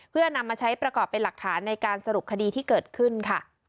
เพื่อนำมาใช้ประกอบเป็นหลักฐานในการสรุปคดีที่เกิดขึ้นค่ะ